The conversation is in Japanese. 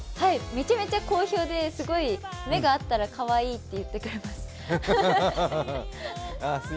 めちゃめちゃ好評で、目が合ったら「かわいい」って言ってくれます。